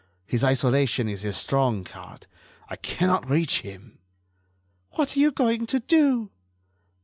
His isolation is his strong card. I cannot reach him." "What are you going to do?"